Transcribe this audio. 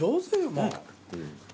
もう。